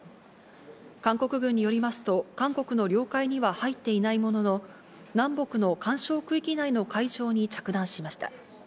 韓国軍によりますと、韓国の領海には入っていないものの、南北の緩衝区域内の海上に着弾しました。